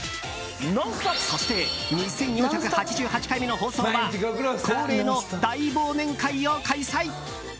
そして２４８８回目の放送は恒例の大忘年会を開催。